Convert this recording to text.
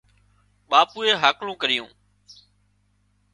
ٻاپوئي هاڪلون ڪريون